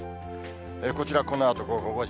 こちら、このあと午後５時。